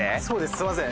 すいません